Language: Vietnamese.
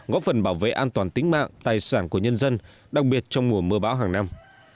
góp phần bảo vệ an toàn tính mạng tài sản của nhân dân đặc biệt trong mùa mưa bão hàng năm